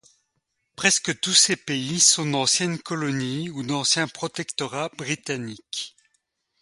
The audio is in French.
Presque tous ces pays sont d'anciennes colonies ou d’anciens protectorats britanniques.